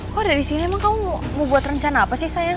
kok ada disini emang kamu mau buat rencana apa sih sayang